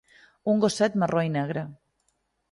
Un gosset marró i negre.